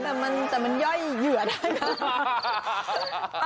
แต่มันย่อยเหยื่อได้นะ